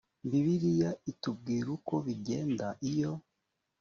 bibiliya itubwira uko bigenda iyo